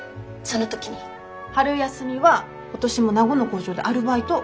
春休みは今年も名護の工場でアルバイト。